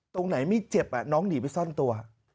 ตรงไหนไม่เจ็บน้องหนีไปซ่อนตัว